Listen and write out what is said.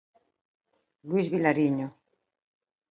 Luís Vilariño.